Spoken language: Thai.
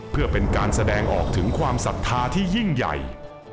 เพื่อเป็นการแสดงออกถึงความศรัทธาที่ยิ่งใหญ่